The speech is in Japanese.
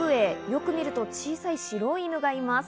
よく見ると小さい白い犬がいます。